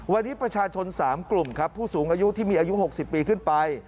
วันนี้ประชาชน๓กลุ่มครับผู้สูงอายุที่มีอายุ๖๐ปีขึ้นไป